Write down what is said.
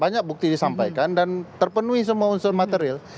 banyak bukti disampaikan dan terpenuhi semua unsur material